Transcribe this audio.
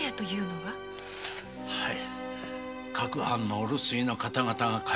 はい。